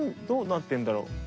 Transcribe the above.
どうなってんだろう？